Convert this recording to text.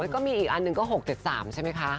ก็มีอีกอันหนึ่งก็๖๗๓ใช่ไหมคะ